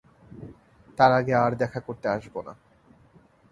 তার আগে আর দেখা করতে আসব না।